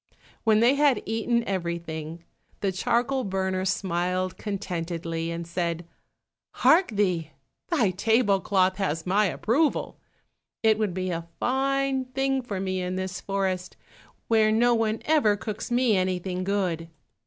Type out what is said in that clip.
When they had eaten everything, the charcoal burner smiled contentedly, and said, "Hark thee, thy table cloth has my approval; it would be a fine thing for me in this forest, where no one ever cooks me anything good.